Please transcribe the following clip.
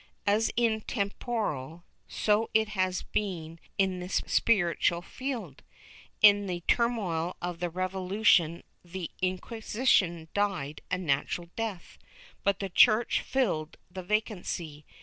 ^ As in temporal, so it has been in the spiritual field. In the turmoil of the Revolution the Inquisition died a natural death, but the Church filled the vacancy.